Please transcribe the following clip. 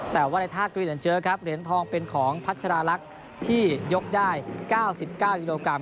แต่ว่าในท่ากรีนันเจอครับเหรียญทองเป็นของพัชราลักษณ์ที่ยกได้๙๙กิโลกรัม